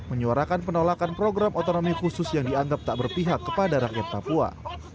menyuarakan penolakan program otonomi khusus yang dianggap tak berpihak kepada rakyat papua